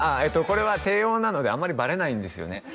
これは低音なのであんまりバレないんですよね